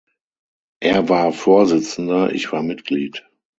Er war Vorsitzender, ich war Mitglied.